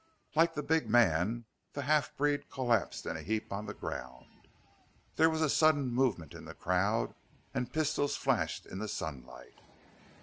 Like the big man the half breed collapsed in a heap on the ground. There was a sudden movement in the crowd, and pistols flashed in the sunlight.